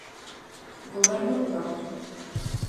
Goberno do dato.